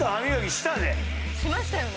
しましたよね。